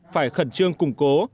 phải khẩn trương củng cố